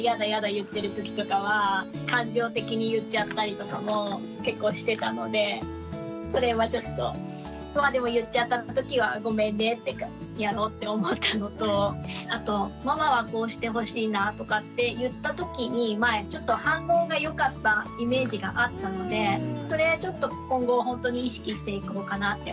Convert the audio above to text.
言ってる時とかは感情的に言っちゃったりとかも結構してたのでそれはちょっとまあでも言っちゃった時はごめんねってやろうって思ったのとあとママはこうしてほしいなとかって言った時に前ちょっと反応が良かったイメージがあったのでそれちょっと今後ほんとに意識していこうかなって思いました。